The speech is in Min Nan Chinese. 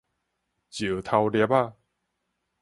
石頭粒仔